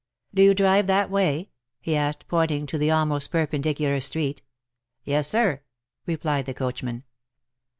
" Do you drive that way T' he asked, pointing to the almost perpendicular street. ^'Yes, sir/'' replied the coachman.